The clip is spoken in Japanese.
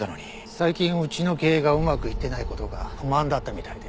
最近うちの経営がうまくいってない事が不満だったみたいで。